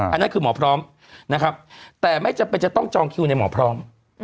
อันนั้นคือหมอพร้อมนะครับแต่ไม่จำเป็นจะต้องจองคิวในหมอพร้อม